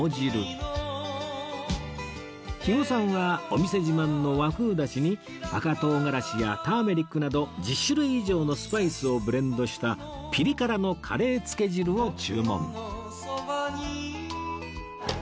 肥後さんはお店自慢の和風ダシに赤唐辛子やターメリックなど１０種類以上のスパイスをブレンドしたピリ辛のカレーつけ汁を注文